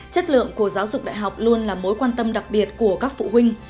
chất lượng của giáo dục đại học luôn là mối quan tâm đặc biệt của các phụ huynh